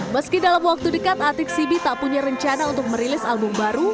meski dalam waktu dekat atik sibi tak punya rencana untuk merilis album baru